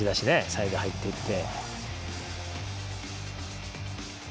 サイド入っていって。